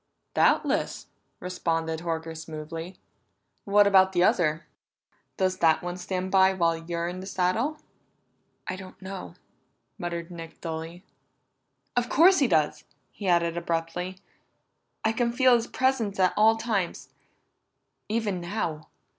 "Doubtless," responded Horker smoothly. "What about the other? Does that one stand by while you're in the saddle?" "I don't know," muttered Nick dully. "Of course he does!" he added abruptly. "I can feel his presence at all times even now.